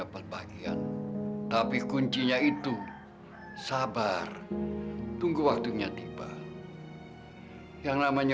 petah untuk kamu menuju kebahagiaan